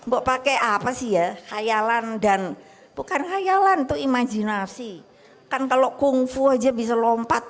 buat pakai apa sih ya khayalan dan bukan khayalan tuh imajinasi kan kalau kungfu aja bisa lompat